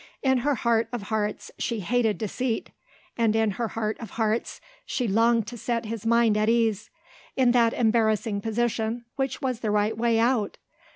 In her heart of hearts she hated deceit and in her heart of hearts she longed to set his mind at ease. In that embarrassing position, which was the right way out?